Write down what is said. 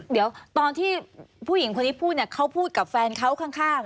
เดี๋ยวตอนที่ผู้หญิงคนนี้พูดเนี่ยเขาพูดกับแฟนเขาข้าง